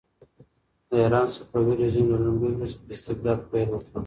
د ایران صفوي رژیم له لومړۍ ورځې په استبداد پیل وکړ.